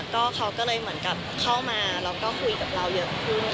ก็เขาก็เลยเหมือนกับเข้ามาแล้วก็คุยกับเราเยอะขึ้น